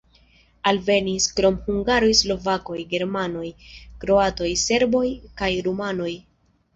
Alvenis krom hungaroj slovakoj, germanoj, kroatoj, serboj kaj rumanoj.